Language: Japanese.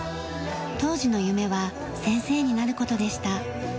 当時の夢は先生になる事でした。